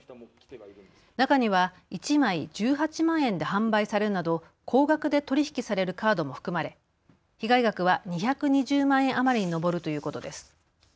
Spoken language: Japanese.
中には１枚１８万円で販売されるなど高額で取り引きされるカードも含まれ被害額は２２０万円余りに上るということです。